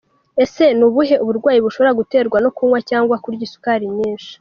Ese ni ubuhe burwayi bushobora guterwa no kunywa cyangwa kurya isukari nyinshi.